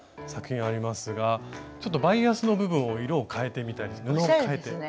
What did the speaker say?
作品ありますがちょっとバイアスの部分を色を変えてみたり布を変えて。